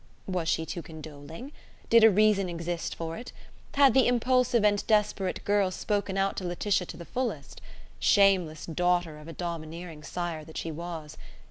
Was she too condoling? Did a reason exist for it? Had the impulsive and desperate girl spoken out to Laetitia to the fullest? shameless daughter of a domineering sire that she was!